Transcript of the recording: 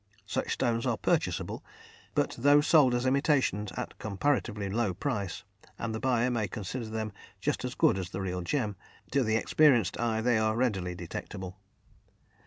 Such stones are purchasable, but though sold as imitations at comparatively low price, and the buyer may consider them just as good as the real gem, to the experienced eye they are readily detectable.